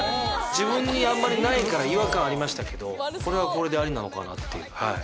自分にあんまりないから違和感ありましたけどこれはこれでありなのかなっていう。